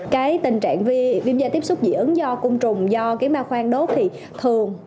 cái tình trạng viêm da tiếp xúc diễn ứng do công trùng do cái ba khoang đốt thì thường